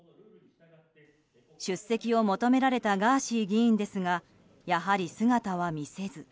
出席を求められたガーシー議員ですがやはり姿は見せず。